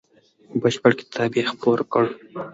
بشپړ کتاب یې خپور کړ.